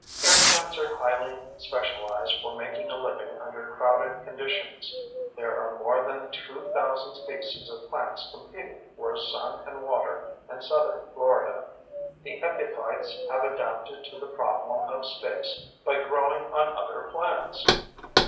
Air plants are highly specialized for making a living under crowded conditions; there are more than 2,000 species of plants competing for sun and water in southern Florida. The epiphytes have adapted to the problem of space by growing on other plants.